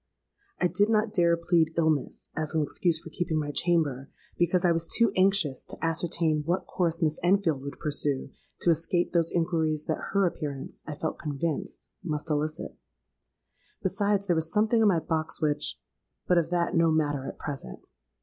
I did not dare plead illness, as an excuse for keeping my chamber; because I was too anxious to ascertain what course Miss Enfield would pursue to escape those inquiries that her appearance, I felt convinced, must elicit. Besides, there was something in my box which—but of that no matter at present.